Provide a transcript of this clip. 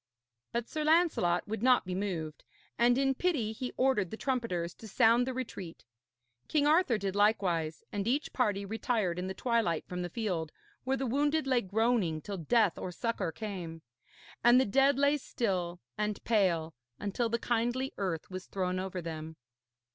But Sir Lancelot would not be moved, and in pity he ordered the trumpeters to sound the retreat. King Arthur did likewise, and each party retired in the twilight from the field, where the wounded lay groaning till death or succour came; and the dead lay still and pale, until the kindly earth was thrown over them.